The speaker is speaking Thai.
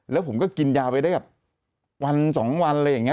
แล้วผมก็กินยาไปได้แบบวันสองวันอะไรอย่างนี้